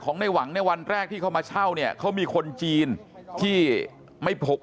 ในหวังในวันแรกที่เขามาเช่าเนี่ยเขามีคนจีนที่ไม่พก